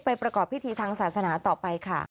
ประกอบพิธีทางศาสนาต่อไปค่ะ